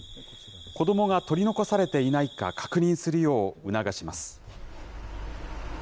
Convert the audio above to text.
子どもが取り残されていないか確認するよう促します。